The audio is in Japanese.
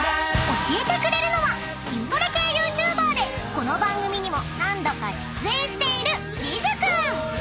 ［教えてくれるのは筋トレ系ＹｏｕＴｕｂｅｒでこの番組にも何度か出演しているＲＩＪＵ君］